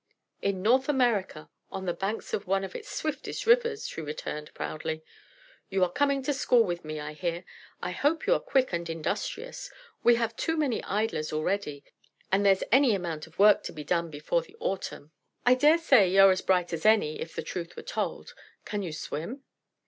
"In North America, on the banks of one of its swiftest rivers," she returned, proudly. "You are coming to school with me, I hear. I hope you are quick and industrious we have too many idlers already, and there's any amount of work to be done before the autumn." "I dare say you're as bright as any, if the truth were told. Can you swim?"